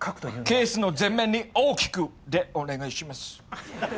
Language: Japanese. ケースの前面に大きくでお願いします。